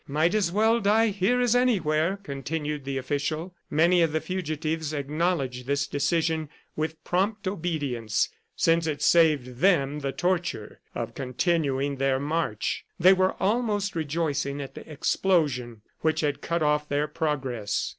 "Might as well die here as anywhere," continued the official. Many of the fugitives acknowledged this decision with prompt obedience, since it saved them the torture of continuing their march. They were almost rejoicing at the explosion which had cut off their progress.